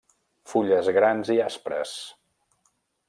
Fulles grans i aspres.